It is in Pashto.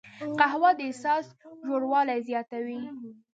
قهوه د احساس ژوروالی زیاتوي